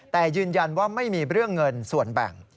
แต่ยืนยันว่าไม่มีเรื่องเงินส่วนแบ่ง